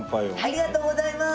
ありがとうございます。